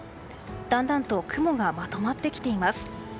だんだんと雲がまとまってきています。